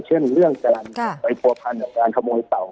เช่นเรื่องจรรยายโปรภัณฑ์หรือการขโมยเต่า